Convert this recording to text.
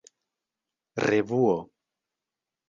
revuo